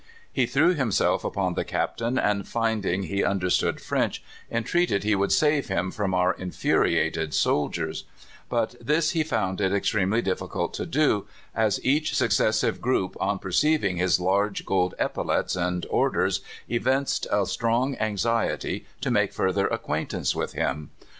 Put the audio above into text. He threw himself upon the Captain, and finding he understood French, entreated he would save him from our infuriated soldiers; but this he found it extremely difficult to do, as each successive group, on perceiving his large gold epaulettes and orders, evinced a strong anxiety to make further acquaintance with him.